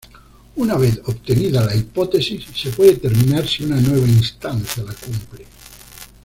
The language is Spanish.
Una vez obtenida la hipótesis se puede determinar si una nueva instancia la cumple.